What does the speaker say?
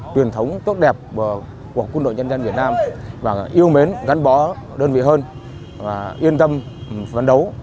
truyền thống tốt đẹp của quân đội nhân dân việt nam và yêu mến gắn bó đơn vị hơn và yên tâm phấn đấu